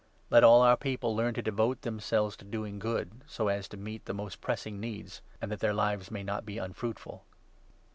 Let 14 all our People learn to devote themselves to doing good, so as to meet the most pressing needs, and that their lives may not be unfruitful.